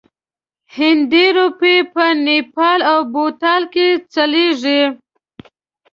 هندي روپۍ په نیپال او بوتان کې چلیږي.